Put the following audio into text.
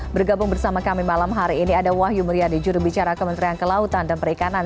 bergabung bersama kami malam hari ini ada wahyu mulyadi jurubicara kementerian kelautan dan perikanan